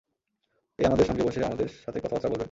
এ আমাদের সঙ্গে বসে আমাদের সাথে কথাবার্তা বলবেন!